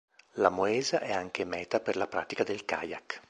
La Moesa è anche meta per la pratica del kayak.